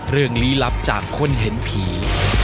เรื่องลี้ลับจากคนเห็นผี